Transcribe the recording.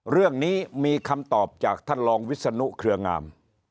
เรื่องนี้มีคำตอบจากท่านรองวิศนุเครืองาม